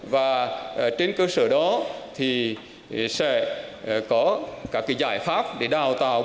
và trên cơ sở đó thì sẽ có các cái giải pháp để đảm bảo cho các cơ sở